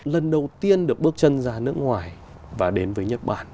lần đầu tiên được bước chân ra nước ngoài và đến với nhật bản